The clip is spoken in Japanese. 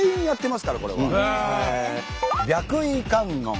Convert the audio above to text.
「白衣観音」。